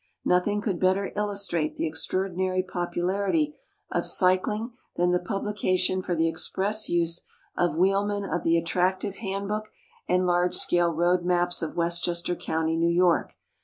Xothing could better illustrate the e.Ktraordin»ry i»opularity of cycling than the publication for the express use of wheelmen of the attractive handbook and large .<cale road maps of Westchester county, New York.